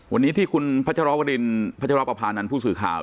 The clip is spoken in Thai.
วันนี้ที่คุณพระเจ้ารอบกระดิษฐ์พระเจ้ารอบอภานรรณผู้สื่อข่าว